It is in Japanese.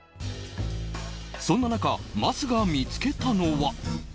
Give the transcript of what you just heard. そんな中、桝が見つけたのは。